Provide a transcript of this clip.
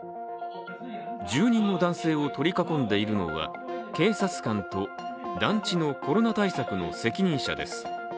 住人の男性を取り囲んでいるのは警察官と団地のコロナ対策の責任者です。